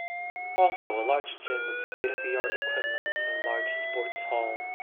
Also a large gym with state-of-the-art equipment, and a large sports hall.